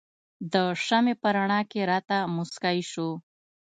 د شمعې په رڼا کې راته مسکی شو.